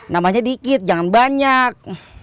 namanya dikit jangan banyak